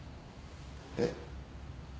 えっ？